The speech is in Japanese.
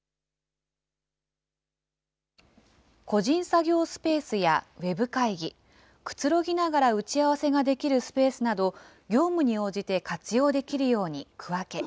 個人作業スペースやウェブ会議、くつろぎながら打ち合わせができるスペースなど、業務に応じて活用できるように区分け。